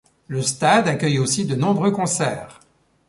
Le stade accueille aussi de nombreux concerts.